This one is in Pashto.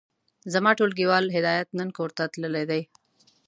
زما ټولګيوال هدايت نن کورته تللی دی.